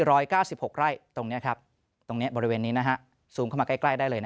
๑๙๖ไร่ตรงนี้ครับตรงนี้บริเวณนี้นะฮะซูมมาใกล้ได้เลย